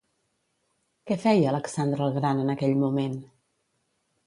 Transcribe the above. Què feia Alexandre el Gran en aquell moment?